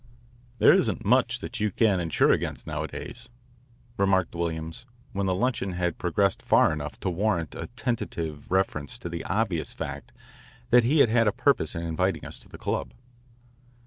"There isn't much that you can't insure against nowadays," remarked Williams when the luncheon had progressed far enough to warrant a tentative reference to the obvious fact that he had had a purpose in inviting us to the club.